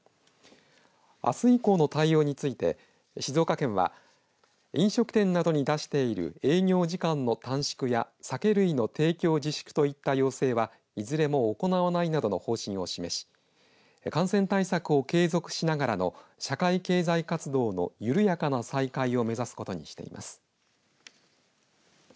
あす以降の対応について静岡県は飲食店などに出している営業時間の短縮や酒類の提供自粛といった要請はいずれも行わないなどの方針を示し感染対策を継続しながらの社会経済活動の緩やかな再開を目指すことにしています。